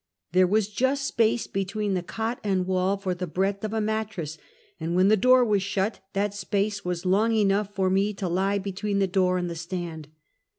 There v/as just space between the cot and wall for the breadth of a mattress, and when the door was shut, that space was Ions: enouo h for me to lie between the door and the stand.